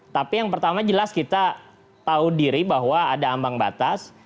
tapi yang pertama jelas kita tahu diri bahwa ada ambang batas